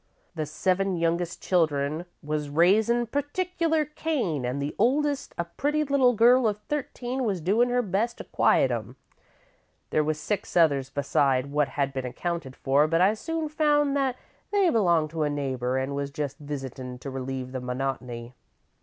The seven youngest children was raisin' particular Cain, an' the oldest, a pretty little girl of thirteen, was doin' her best to quiet 'em. There was six others besides what had been accounted for, but I soon found that they belonged to a neighbour, an' was just visitin' to relieve the monotony.